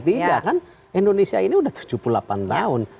tidak kan indonesia ini sudah tujuh puluh delapan tahun